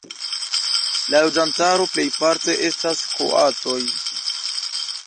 La loĝantaro plejparte estas kroatoj.